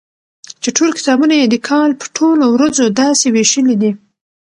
چي ټول کتابونه يي د کال په ټولو ورځو داسي ويشلي دي